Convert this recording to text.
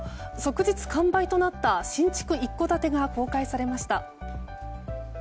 即日完売となった新築一戸建てが公開されました。